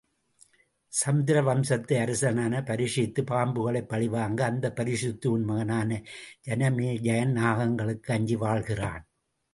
சந்திரவம்சத்து அரசனான பரீக்ஷித்து பாம்புகளைப் பழிவாங்க, அந்த பரீஷித்துவின் மகனான ஜனமேஜயன் நாகங்களுக்கு அஞ்சி வாழ்கிறான்.